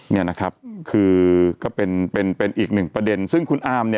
นี่นะครับคือก็เป็นอีกหนึ่งประเด็นซึ่งคุณอามเนี่ย